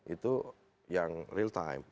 itu yang real time